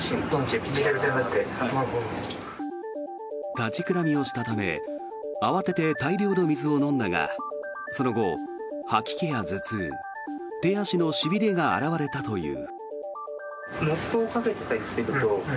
立ちくらみをしたため慌てて大量の水を飲んだがその後、吐き気や頭痛手足のしびれが現れたという。